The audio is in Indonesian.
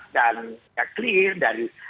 dan ya clear dari